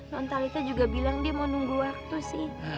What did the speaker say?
nontalitha juga bilang dia mau nunggu waktu sih